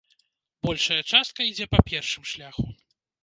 Большая частка ідзе па першым шляху.